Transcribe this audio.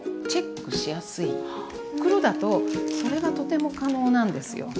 袋だとそれがとても可能なんですよ。